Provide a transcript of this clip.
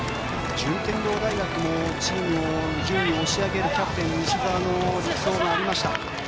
順天堂大学もチームの順位を押し上げる西澤の力走がありました。